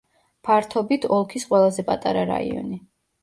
ფართობით ოლქის ყველაზე პატარა რაიონი.